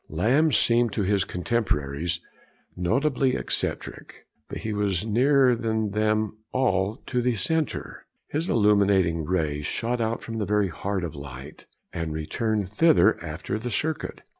Lamb seemed to his contemporaries notably eccentric, but he was nearer than them all to the centre. His illuminating rays shot out from the very heart of light, and returned thither after the circuit.